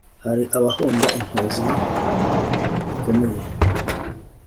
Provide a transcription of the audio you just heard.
Hari abahonda intozi bikomeye,